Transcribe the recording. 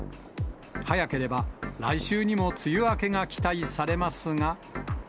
早ければ、来週にも梅雨明けが期待されますが。